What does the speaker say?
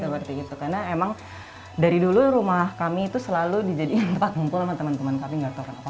seperti itu karena emang dari dulu rumah kami itu selalu dijadikan tempat ngumpul sama teman teman kami nggak tahu apa